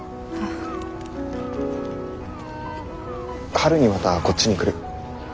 春にまたこっちに来る。